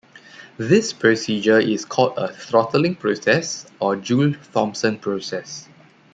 This procedure is called a "throttling process" or "Joule-Thomson process".